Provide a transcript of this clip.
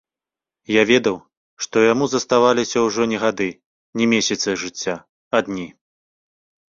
Я ведаў, што яму заставаліся ўжо не гады, не месяцы жыцця, а дні.